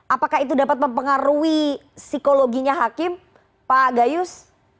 apakah itu dapat mempengaruhi psikologinya hakim pak gayus